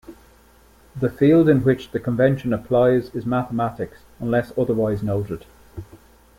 The field in which the convention applies is mathematics unless otherwise noted.